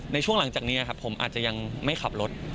ในช่วงหลังจากนี้ครับผมอาจจะยังไม่ขับรถ